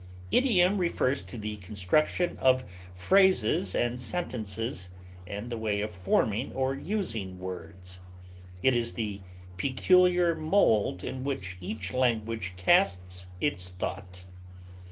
Idiom refers to the construction of phrases and sentences, and the way of forming or using words; it is the peculiar mold in which each language casts its thought.